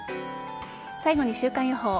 最後に週間予報。